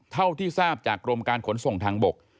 เท่าที่ทราบจากกรมการขนส่งทางบก